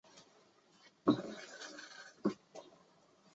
徐悲鸿曾为其作骏马图祝寿。